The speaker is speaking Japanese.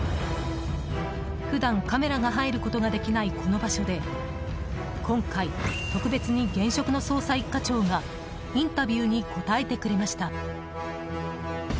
普段カメラが入ることができないこの場所で今回、特別に現職の捜査１課長がインタビューに答えてくれました。